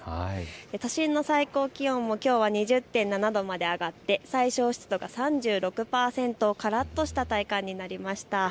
都心の最高気温もきょうは２７度まで上がって最小湿度は３６％とからっとした体感になりました。